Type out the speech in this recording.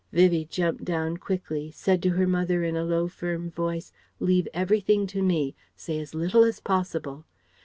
Vivie jumped down quickly, said to her mother in a low firm voice: "Leave everything to me. Say as little as possible."